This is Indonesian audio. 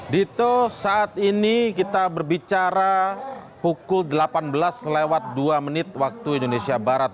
dito saat ini kita berbicara pukul delapan belas lewat dua menit waktu indonesia barat